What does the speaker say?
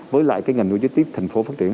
với lại cái ngành logistics